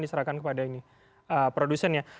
diserahkan kepada ini produsennya